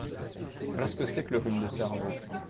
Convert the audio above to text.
Voilà ce que c’est que le rhume de cerveau !…